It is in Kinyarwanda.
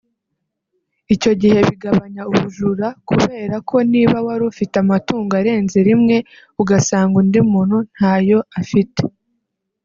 Icyo gihe bigabanya ubujura kubera ko niba wari ufite amatungo arenze rimwe ugasanga undi muntu nta yo afite